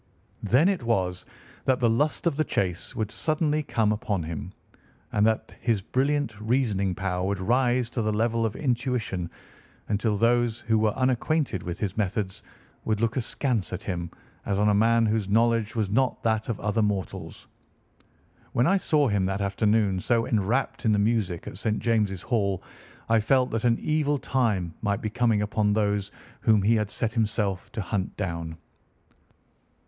Then it was that the lust of the chase would suddenly come upon him, and that his brilliant reasoning power would rise to the level of intuition, until those who were unacquainted with his methods would look askance at him as on a man whose knowledge was not that of other mortals. When I saw him that afternoon so enwrapped in the music at St. James's Hall I felt that an evil time might be coming upon those whom he had set himself to hunt down.